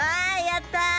やった！